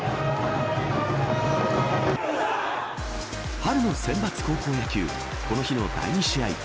春の選抜高校野球この日の第２試合